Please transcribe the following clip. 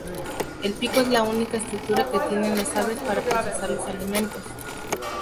El pico es la única estructura que tienen las aves para procesar los alimentos.